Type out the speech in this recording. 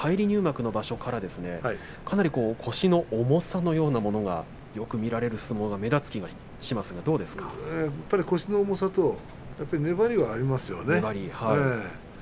返り入幕の場所からかなり腰の重さのようなものが見られる相撲が目立つような感じがしますが腰の重さと言い粘りがありますね。